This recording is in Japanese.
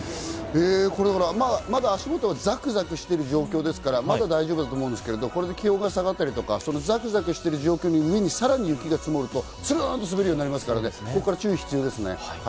まだ足元はザクザクしている状況ですから、大丈夫だと思いますけど、これで気温が下がったり、ザクザクしている上に雪が積もると、つるんと滑りますから、ここから注意が必要ですね。